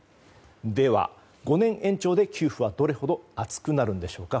では、５年延長で給付はどれほど厚くなるんでしょうか。